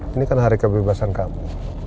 ini kan hari kebebasan kami